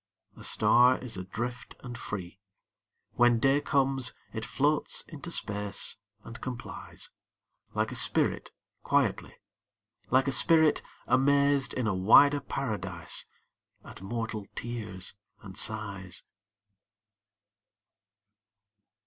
A star is adrift and free. When day comes, it floats into space and com plies ; Like a spirit quietly, Like a spirit, amazed in a wider paradise At mortal tears and sighs.